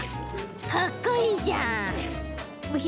かっこいいじゃん。